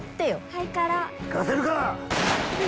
行かせるか！